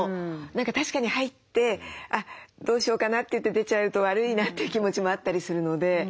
何か確かに入ってどうしようかなっていって出ちゃうと悪いなという気持ちもあったりするので。